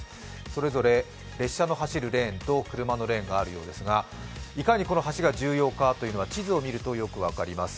それそれれ列車の走るレーンと車のレーンがあるようですがいかにこの橋が重要か地図を見るとよく分かります。